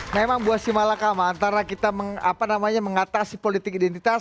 memang buat si malakama antara kita mengatasi politik identitas